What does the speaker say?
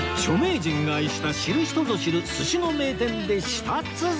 著名人が愛した知る人ぞ知る寿司の名店で舌鼓